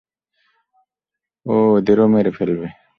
ও ওদেরও মেরে ফেলবে।